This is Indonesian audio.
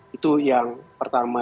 itu yang pertama